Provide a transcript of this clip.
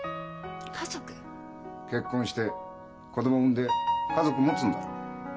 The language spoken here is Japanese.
結婚して子供産んで家族持つんだろ？